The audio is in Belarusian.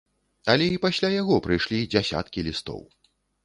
Але і пасля яго прыйшлі дзясяткі лістоў.